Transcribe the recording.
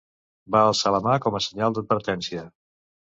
Va alçar la mà com a senyal d'advertència.